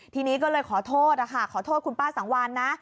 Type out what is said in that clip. ทีนี้ก็เลยขอโทษนะคะขอโทษคุณป้าสังวานนะ